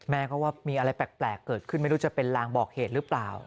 ว่ามีอะไรแปลกเกิดขึ้นไม่รู้จะเป็นลางบอกเหตุหรือเปล่า